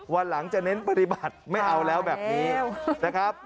วันหลังจะเน้นปฏิบัติไม่เอาแล้วแบบนี้นะครับ